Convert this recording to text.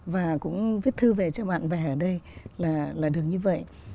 và cũng viết thư về cho bạn bè ở đây là được như vậy